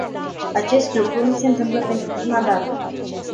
Acest lucru nu se întâmplă pentru prima dată.